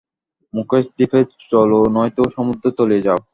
মুকেশ দ্বীপে চলো নয়তো সমুদ্রে তলিয়ে যাও।